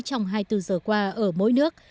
trong hai mươi bốn giờ qua ở mỗi nước